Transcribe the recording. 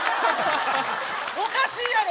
おかしいやろ！